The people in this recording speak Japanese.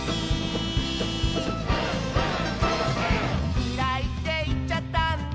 「きらいっていっちゃったんだ」